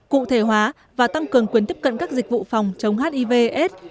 cụ thể hóa và tăng cường quyến tiếp cận các dịch vụ phòng chống hivs